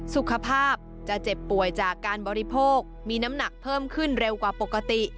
สุขภาพจะเจ็บป่วยจากการบริโภคมีน้ำหนักเพิ่มขึ้นเร็วกว่าปกติ